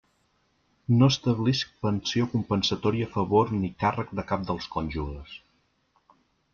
No establisc pensió compensatòria a favor ni càrrec de cap dels cònjuges.